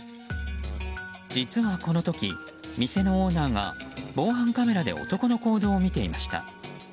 実はこの時、店のオーナーが防犯カメラで男の行動を見ていました。